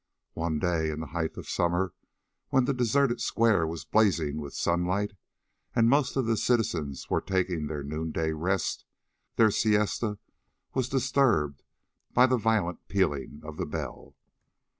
One day in the height of summer, when the deserted square was blazing with sunlight, and most of the citizens were taking their noonday rest, their siesta was disturbed by the violent pealing of the bell.